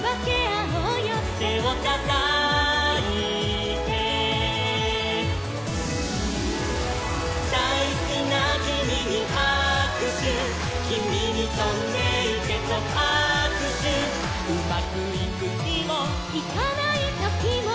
「てをたたいて」「だいすきなキミにはくしゅ」「キミにとんでいけとはくしゅ」「うまくいくひも」「いかないときも」